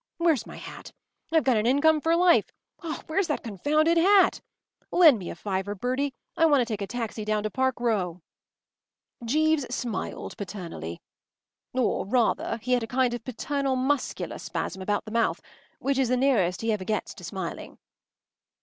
Where’s my hat? I’ve got an income for life! Where’s that confounded hat? Lend me a fiver, Bertie. I want to take a taxi down to Park Row!” Jeeves smiled paternally. Or, rather, he had a kind of paternal muscular spasm about the mouth, which is the nearest he ever gets to smiling.